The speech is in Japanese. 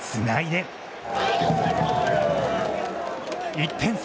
１点差！